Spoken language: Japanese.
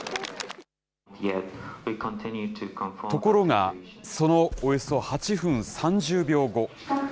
ところが、そのおよそ８分３０秒後。